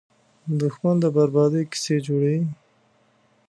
دښمن د بربادۍ کیسې جوړوي